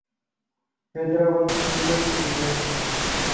حيدرآباد سنڌ جو شھرَ